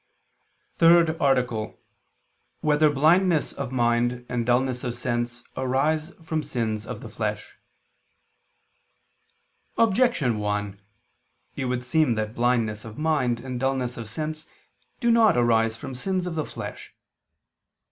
_______________________ THIRD ARTICLE [II II, Q. 15, Art. 3] Whether Blindness of Mind and Dulness of Sense Arise from Sins of the Flesh? Objection 1: It would seem that blindness of mind and dulness of sense do not arise from sins of the flesh.